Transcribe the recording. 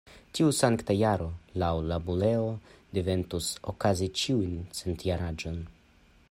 Tiu Sankta Jaro, laŭ la buleo, devintus okazi ĉiujn centjariĝon.